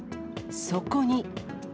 そこに。